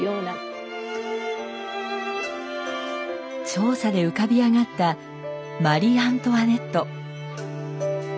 調査で浮かび上がったマリ・アントワネット。